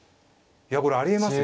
いやこれありえますよ。